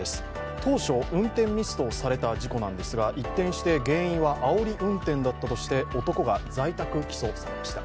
当初、運転ミスとされた事故ですが一転して原因はあおり運転だったとして男が在宅起訴されました。